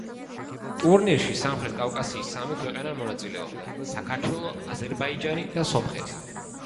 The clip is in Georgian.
ტურნირში სამხრეთ კავკასიის სამი ქვეყანა მონაწილეობდა: საქართველო, აზერბაიჯანი და სომხეთი.